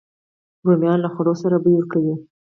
رومیان له خوړو سره بوی ورکوي